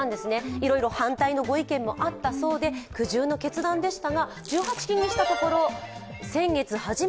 いろいろ反対の意見もあったけれども苦渋の決断でした。